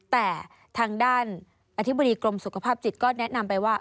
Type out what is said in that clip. แต่ทางด้านอธิบดีกรมสุขภาพจิตก็แนะนำไปว่า